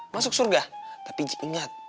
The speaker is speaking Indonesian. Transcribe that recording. masuk surga tapi ingat